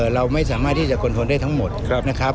เราไม่สามารถที่จะค้นค้นให้ทั้งหมดครับ